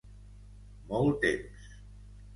Molt temps.